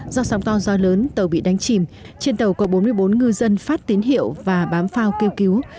do sóng to gió lớn tàu bị đánh chìm trên tàu có bốn mươi bốn ngư dân phát tín hiệu và bám phao kêu cứu